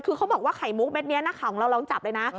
คือเขาบอกว่าไข่มุกเม็ดนี้นักข่าวของเราลองจับเลยนะ